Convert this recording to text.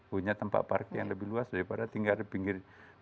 punya tempat parkir yang lebih luas daripada tinggal di pinggir